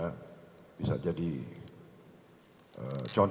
yang bisa kita lakukan